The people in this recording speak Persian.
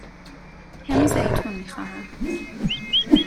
کمی زیتون می خواهم.